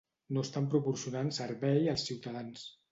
No estan proporcionant servei als ciutadans.